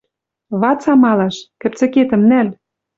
Вац амалаш. Кӹпцӹкетӹм нӓл...»